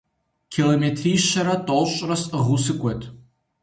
Километрищэрэ тӏощӏрэ сӏыгъыу сыкӏуэт.